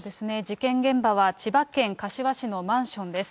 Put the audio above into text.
事件現場は千葉県柏市のマンションです。